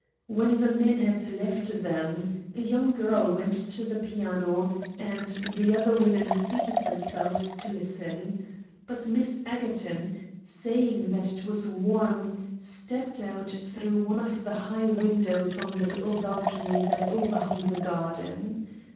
When the men had left them, a young girl went to the piano, and the other women seated themselves to listen; but Miss Egerton, saying that it was warm, stepped out through one of the high windows on to the little balcony that overhung the garden.